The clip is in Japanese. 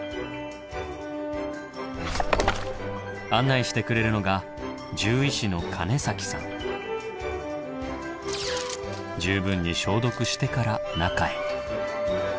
案内してくれるのが十分に消毒してから中へ。